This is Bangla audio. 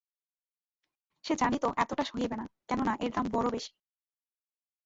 সে জানিত এতটা সহিবে না, কেননা এর দাম বড়ো বেশি।